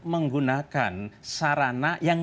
menggunakan sarana yang